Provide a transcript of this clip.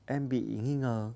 em bị nghi ngờ